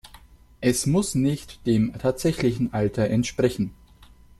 Es muss nicht dem tatsächlichen Alter entsprechen.